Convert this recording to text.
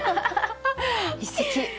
一席。